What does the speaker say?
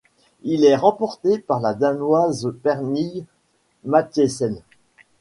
Il est remporté par la Danoise Pernille Mathiesen.